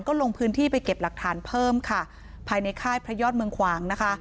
ก็ลงพื้นที่ไปเก็บหลักฐานเพิ่มค่ะภายในค่ายพระยอดเมืองขวางนะคะ